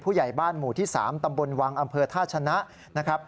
ผู้ใหญ่บ้านหมู่ที่๓ตำบลวังอำเภอท่าชนะนะครับ